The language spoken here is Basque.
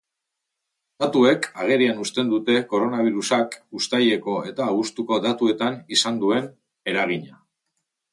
Datuek agerian uzten dute koronabirusak uztaileko eta abuztuko datuetan izan duen eragina.